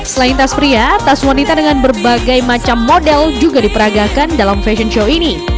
selain tas pria tas wanita dengan berbagai macam model juga diperagakan dalam fashion show ini